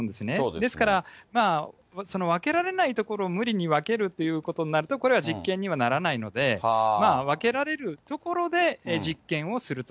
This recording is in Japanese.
ですから、分けられないところを無理に分けるということになると、これは実験にはならないので、まあ、分けられるところで実験をすると。